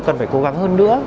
cần phải cố gắng hơn nữa